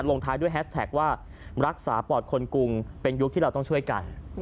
ท้ายด้วยแฮสแท็กว่ารักษาปอดคนกรุงเป็นยุคที่เราต้องช่วยกัน